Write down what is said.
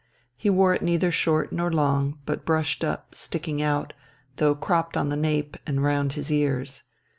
He wore it neither short nor long, but brushed up, sticking out, though cropped on the nape and round his ears.